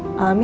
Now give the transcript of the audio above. nah dia hurry